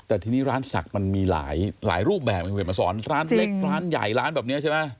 แต่ทีนี้ร้านศักดิ์มันมีหลายหลายรูปแบบคุณเห็นมาสอนร้านเล็กร้านใหญ่ร้านแบบนี้ใช่ไหม